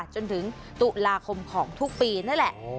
จนถึงตุลาคมของทุกปีนั่นแหละ